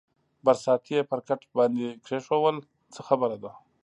برساتۍ یې پر کټ باندې کېښوول، څه خبره ده؟